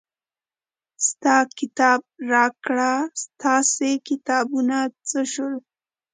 ستا کتاب راکړه ستاسې کتابونه څه شول.